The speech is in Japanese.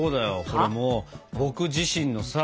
これもう僕自身のさ